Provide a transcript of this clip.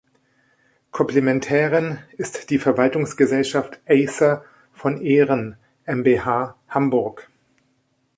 Komplementärin ist die Verwaltungsgesellschaft Acer von Ehren mbH, Hamburg.